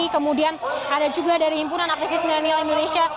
kemudian ada juga dari himpunan aktivis milenial indonesia